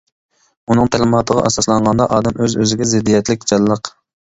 ئۇنىڭ تەلىماتىغا ئاساسلانغاندا ئادەم ئۆز-ئۆزىگە زىددىيەتلىك جانلىق.